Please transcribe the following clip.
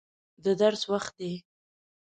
د درس وخت دی.